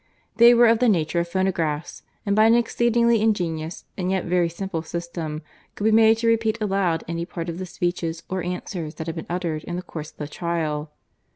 They were of the nature of phonographs, and by an exceedingly ingenious and yet very simple system could be made to repeat aloud any part of the speeches or answers that had been uttered in the course of the trial.